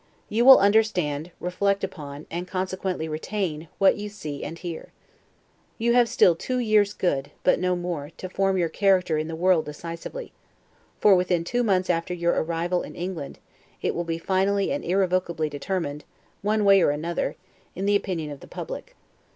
You will understand, reflect upon, and consequently retain, what you see and hear. You have still two years good, but no more, to form your character in the world decisively; for, within two months after your arrival in England, it will be finally and irrevocably determined, one way or another, in the opinion of the public.